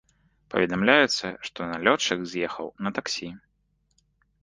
Паведамляецца, што налётчык з'ехаў на таксі.